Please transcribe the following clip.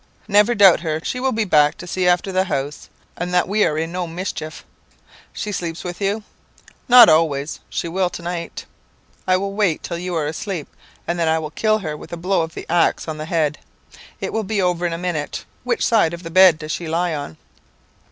"'Never doubt her. She will be back to see after the house, and that we are in no mischief.' "'She sleeps with you?' "'Not always. She will to night.' "'I will wait till you are asleep, and then I will kill her with a blow of the axe on the head. It will be over in a minute. Which side of the bed does she lie on?'